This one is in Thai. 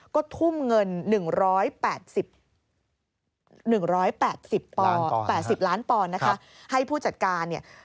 ก็ทุ่มเงิน๑๘๐ล้านปอนดิ์นะคะ